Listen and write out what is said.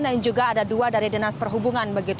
dan juga ada dua dari dinas perhubungan